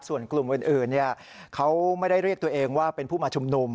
ส่วนกลุ่มอื่นเขาไม่ได้เรียกตัวเองว่าเป็นผู้มาชุมนุม